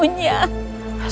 makanan yang kami punya